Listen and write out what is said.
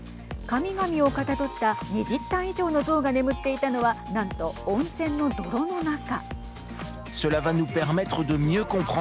神々をかたどった２０体以上の像が眠っていたのはなんと温泉の泥の中。